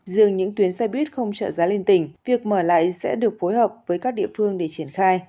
riêng những tuyến xe buýt không trợ giá lên tỉnh việc mở lại sẽ được phối hợp với các địa phương để triển khai